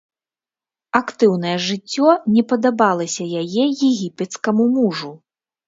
Актыўнае жыццё не падабалася яе егіпецкаму мужу.